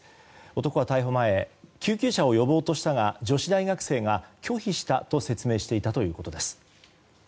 男は逮捕前救急車を呼ぼうとしたが女子大学生が拒否したと説明していたということです。